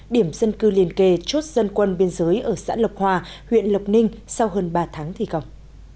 điểm dân cư liền kề chốt dân quân biên giới ở xã lộc hòa huyện lộc ninh sau hơn ba tháng thi công